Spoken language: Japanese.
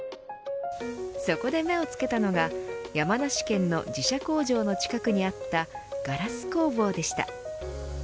そこで目をつけたのが山梨県の自社工場の近くにあったガラス工房でした。